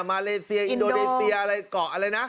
มาเลเซียอินโดนีเซียอะไรเกาะอะไรนะ